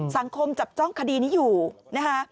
สังคมจับจ้องคดีนี้อยู่นะคะ